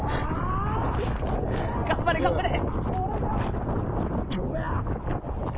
頑張れ頑張れ！